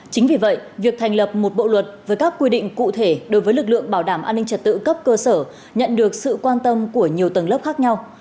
chính vì vậy việc thành lập một bộ luật với các quy định cụ thể đối với lực lượng bảo đảm an ninh trật tự cấp cơ sở nhận được sự quan tâm của nhiều tầng lớp khác nhau